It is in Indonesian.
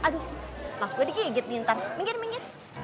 aduh maksud gue digigit nih ntar minggir minggir